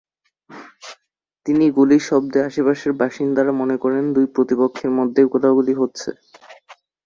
এই গুলির শব্দে আশপাশের বাসিন্দারা মনে করেন দুই প্রতিপক্ষের মধ্যে গোলাগুলি হচ্ছে।